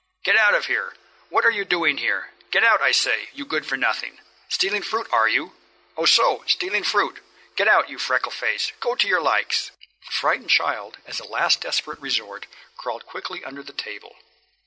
"Get out of here! What are you doing here? Get out, I say, you good for nothing! Stealing fruit, are you? Oh, so, stealing fruit! Get out, you freckle face, go to your likes!" The frightened child, as a last desperate resort, crawled quickly under the table.